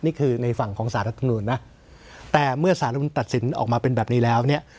นี่คือในฝั่งของสารรัฐมนุนนะแต่เมื่อสารรัฐมนุนตัดสินออกมาเป็นแบบนี้แล้วเนี่ย